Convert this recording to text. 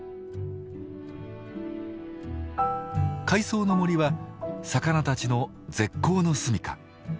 海藻の森は魚たちの絶好の住みか。